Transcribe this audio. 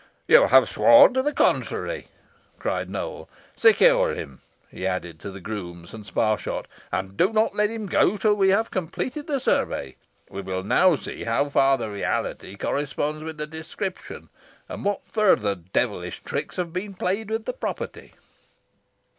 "You have sworn the contrary," cried Nowell. "Secure him," he added to the grooms and Sparshot, "and do not let him go till we have completed the survey. We will now see how far the reality corresponds with the description, and what further devilish tricks have been played with the property."